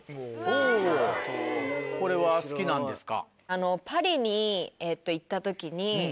ほぉこれは好きなんですか？